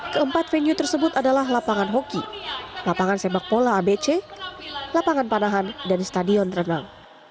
keempat venue tersebut adalah lapangan hoki lapangan sepak bola abc lapangan panahan dan stadion renang